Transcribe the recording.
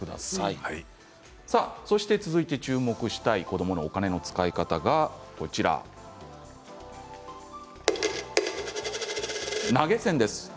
続いて注目したいお金の使い方、投げ銭です。